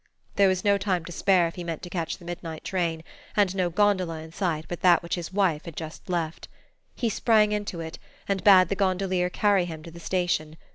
There was no time to spare if he meant to catch the midnight train, and no gondola in sight but that which his wife had just left. He sprang into it, and bade the gondolier carry him to the station.